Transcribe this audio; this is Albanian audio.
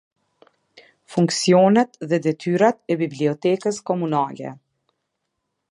Funksionet dhe detyrat e bibliotekës komunale.